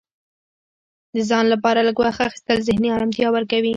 د ځان لپاره لږ وخت اخیستل ذهني ارامتیا ورکوي.